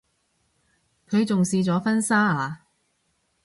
佢仲試咗婚紗啊